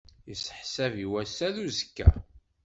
Isseḥsab i wass-a d uzekka.